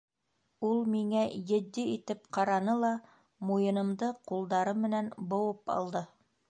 Ул миңә етди итеп ҡараны ла, муйынымды ҡулдары менән быуып алды.